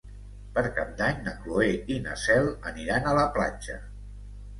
Per Cap d'Any na Cloè i na Cel aniran a la platja.